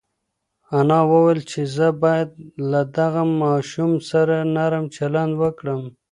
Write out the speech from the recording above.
انا وویل چې زه باید له دغه ماشوم سره نرم چلند وکړم.